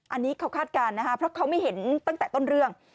อันนี้เขาคาดการณ์นะคะเพราะเขาไม่เห็นตั้งแต่ต้นเรื่อง